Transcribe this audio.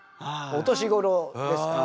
お年頃ですから。